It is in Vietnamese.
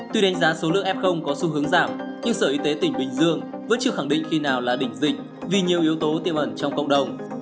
tuy đánh giá số lượng f có xu hướng giảm nhưng sở y tế tỉnh bình dương vẫn chưa khẳng định khi nào là đỉnh dịch vì nhiều yếu tố tiềm ẩn trong cộng đồng